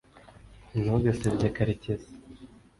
ntugasebye karekezi